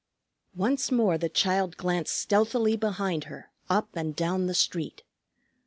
Once more the child glanced stealthily behind her, up and down the street.